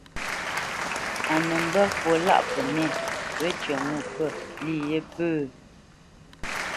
A nə́ mbə́ fwo lâʼ Pənɛ̂ wə́cyə ŋo pə̂ lî yé pə̂.